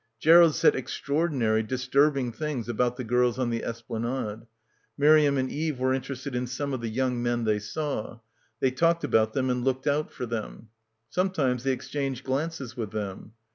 Gerald said extraordinary, disturbing things about the girls on the esplanade. Miriam and Eve were interested in some of the young men they saw. Thev talked about them and looked out for them. Sometimes they exchanged glances with them.